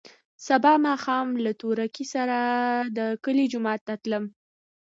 سبا ماښام له تورکي سره د کلي جومات ته تلم.